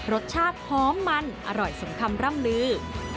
รสชาติหอมมันอร่อยสมคำร่ำลือ